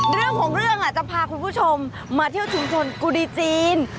เรื่องของเรื่องจะพาคุณผู้ชมมาเที่ยวชุมชนกุดีจีน